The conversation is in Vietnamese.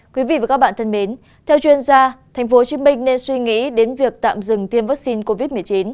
quý vị và các bạn thân mến theo chuyên gia tp hcm nên suy nghĩ đến việc tạm dừng tiêm vaccine covid một mươi chín